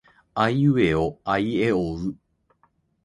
あいうえおあいえおう。